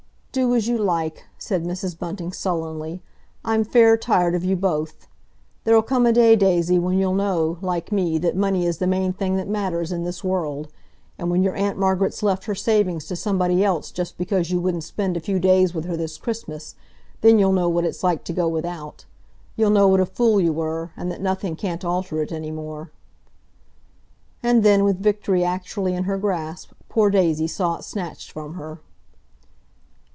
"Do as you like," said Mrs. Bunting sullenly. "I'm fair tired of you both! There'll come a day, Daisy, when you'll know, like me, that money is the main thing that matters in this world; and when your Aunt Margaret's left her savings to somebody else just because you wouldn't spend a few days with her this Christmas, then you'll know what it's like to go without—you'll know what a fool you were, and that nothing can't alter it any more!" And then, with victory actually in her grasp, poor Daisy saw it snatched from her.